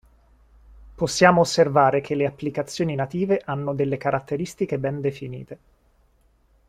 Possiamo osservare che le applicazioni native hanno delle caratteristiche ben definite.